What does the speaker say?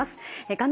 画面